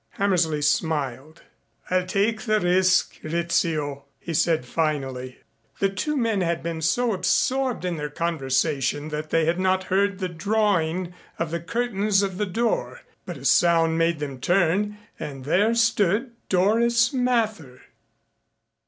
Hammersley smiled. "I'll take the risk, Rizzio," he said finally. The two men had been so absorbed in their conversation that they had not heard the drawing of the curtains of the door, but a sound made them turn and there stood Doris Mather.